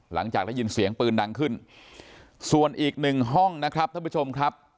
หลังจากได้ยินเสียงปืนดังขึ้นส่วนอีกหนึ่งห้องนะครับท่านผู้ชมครับ